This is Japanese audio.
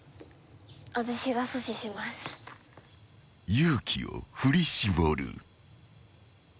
［勇気を振り絞る］